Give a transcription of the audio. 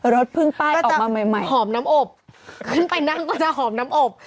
รถเพิ่งป้ายออกมาใหม่ใหม่หอมน้ำอบขึ้นไปนั่งก็จะหอมน้ำอบ